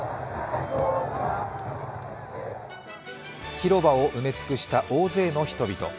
広場を埋め尽くした大勢の人々。